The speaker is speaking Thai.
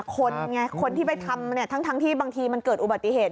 คนไงคนที่ไปทำทั้งที่บางทีมันเกิดอุบัติเหตุ